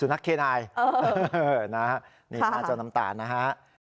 นักเคนายนี่ฮะเจ้าน้ำตาลนะฮะ